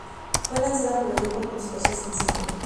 Fue lanzada por el grupo como su tercer sencillo.